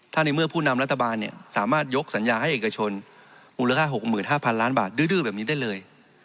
ถ้าในเมื่อผู้นำรัฐบาลสามารถยกสัญญาให้เอกชนมูลค่า๖๕๐๐ล้านบาทดื้อแบบนี้ได้เลย